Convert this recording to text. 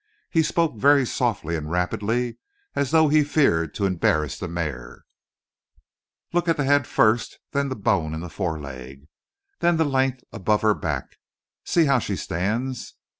He spoke very softly and rapidly, as though he feared to embarrass the mare. "Look at the head first then the bone in the foreleg, then the length above her back see how she stands!